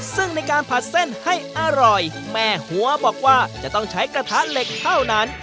ซึ่งในการผัดเส้นให้อร่อยแม่หัวบอกว่าจะต้องใช้กระทะเหล็กเท่านั้น